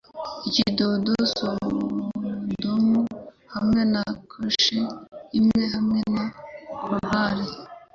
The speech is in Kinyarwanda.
Ikidodo Sodomu hamwe na kashe imwe hamwe na Cahors